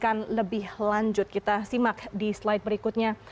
kita akan lebih lanjut kita simak di slide berikutnya